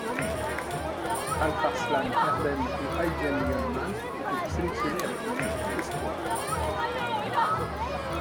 Alparslan Erdem et Aydın Yılmaz ont été sélectionnés avec la Turquie espoirs.